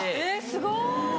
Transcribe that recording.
すごい！